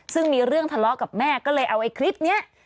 ซึ่งมีเรื่องทะเลาะกับแม่ก็เลยเอาไอ้คลิปนี้